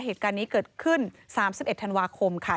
เหตุการณ์นี้เกิดขึ้น๓๑ธันวาคมค่ะ